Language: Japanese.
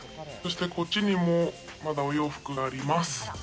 そしてこっちにもまだお洋服があります。